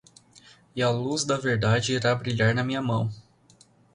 E a luz da verdade irá brilhar na minha mão